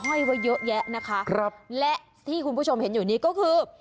ห้อยไว้เยอะแยะนะคะครับและที่คุณผู้ชมเห็นอยู่นี้ก็คือ